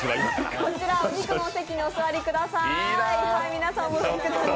こちらお肉のお席にお座りください。